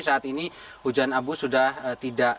dan saat ini hujan abu sudah tidak